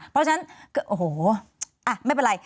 เพราะฉะนั้นโอ้โหไม่เป็นไร